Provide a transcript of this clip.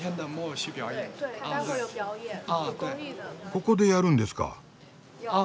ここでやるんですか？